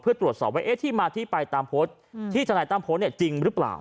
เพื่อตรวจสอบว่าที่มาที่ไปตามโพสต์ที่ทนายตั้มโพสต์จริงหรือเปล่า